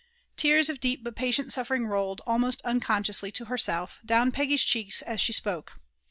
Tears of deep but patient suffering rolled, almost unconsciously to herself, down Peggy's cheeks as she spoke.